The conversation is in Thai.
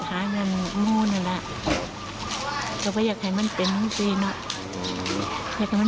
แล้วเนี่ยหลานยายเป็นแบบนี้มาสักพักแล้ว